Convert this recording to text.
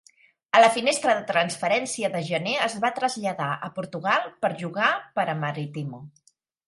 A la finestra de transferència de gener es va traslladar a Portugal per jugar per a Maritimo.